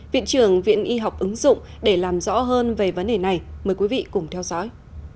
viện trưởng viện y học ứng dụng để làm rõ hơn về vấn đề này mời quý vị cùng theo dõi